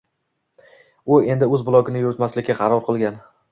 U endi o‘z blogini yuritmaslikka qaror qilgan